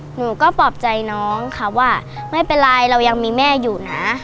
หนูก็ปลอบใจน้องค่ะว่าไม่เป็นไรเรายังมีแม่อยู่นะ